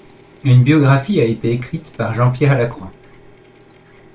Une biographie a été écrite par Jean-Pierre Lacroix.